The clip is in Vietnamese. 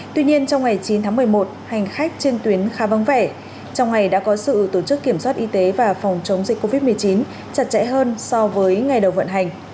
tuy nhiên trong ngày chín tháng một mươi một hành khách trên tuyến khá vắng vẻ trong ngày đã có sự tổ chức kiểm soát y tế và phòng chống dịch covid một mươi chín chặt chẽ hơn so với ngày đầu vận hành